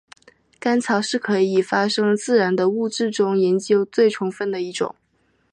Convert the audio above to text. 干草是可以发生自燃的物质中研究最充分的一种。